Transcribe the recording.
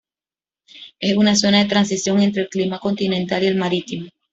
Es una zona de transición entre el clima continental y el marítimo.